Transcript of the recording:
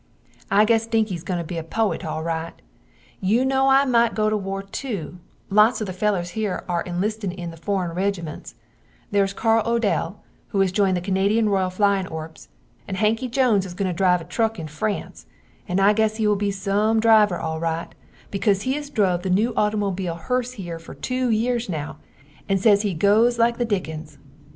I guess Dinky is goin to be a poit al rite. You no I mite go to war two, lots of the fellers hear are inlistin in forrin regimunts, theres Carl Odell who has joind the Canadian Royal Fling Corpse, and Hanky Jones is goin to drive a truck in France and I guess he will be some driver al rite because he has druv the new automobile hearse fer too years now, and say he goes like the dickuns.